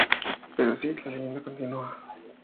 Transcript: Pero sí, la leyenda continúa...